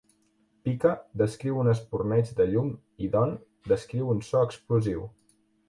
"Pika" descriu un espurneig de llum i "don" descriu un so explosiu.